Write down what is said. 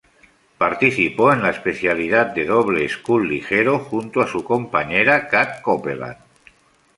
Participó en la especialidad de doble scull ligero junto a su compañera Kat Copeland.